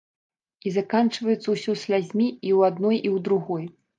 І заканчваецца ўсё слязьмі і ў адной, і ў другой.